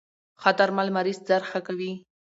ښه درمل مریض زر ښه کوی.